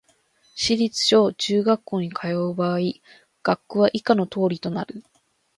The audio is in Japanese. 市立小・中学校に通う場合、学区は以下の通りとなる